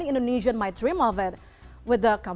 yang mungkin banyak orang indonesia berharapkan